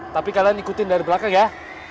tapi kalian ikutin dari belakang ya